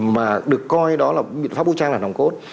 mà được coi đó là biện pháp vũ trang là nòng cốt